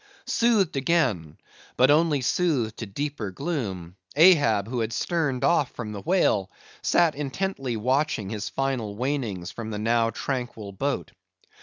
Soothed again, but only soothed to deeper gloom, Ahab, who had sterned off from the whale, sat intently watching his final wanings from the now tranquil boat.